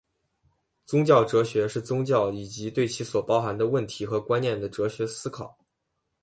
宗教哲学是对宗教以及其所包含的问题和观念的哲学思考。